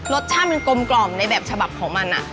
รสชาติมันกลมในแบบฉบับของมันอ่ะ